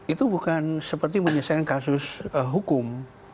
itu bukan seperti menyelesaikan kasus hukum